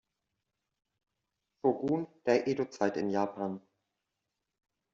Shōgun der Edo-Zeit in Japan.